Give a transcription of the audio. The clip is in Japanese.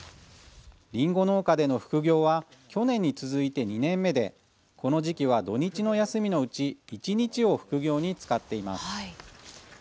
りんご農家での副業は去年に続いて２年目でこの時期は土日の休みのうち一日を副業に使っています。